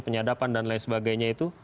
penyadapan dan lain sebagainya itu